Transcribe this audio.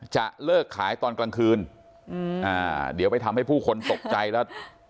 จะเลิกขายตอนกลางคืนอืมอ่าเดี๋ยวไปทำให้ผู้คนตกใจแล้ว